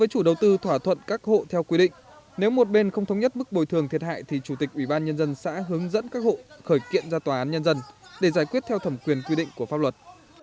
với chủ đầu tư thỏa thuận các hộ theo quy định nếu một bên không thống nhất mức bồi thường thiệt hại thì chủ tịch ủy ban nhân dân xã hướng dẫn các hộ khởi kiện ra tòa án nhân dân để giải quyết theo thẩm quyền quy định của pháp luật